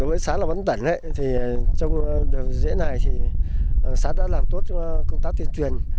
đối với xã lạp bán tần trong đời diễn này xã đã làm tốt công tác tiền truyền